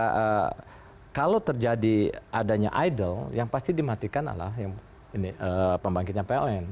karena kalau terjadi adanya idle yang pasti dimatikan adalah pembangkitnya pln